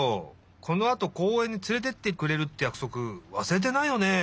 このあとこうえんにつれてってくれるってやくそくわすれてないよね？